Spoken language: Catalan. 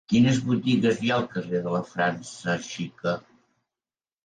Quines botigues hi ha al carrer de la França Xica?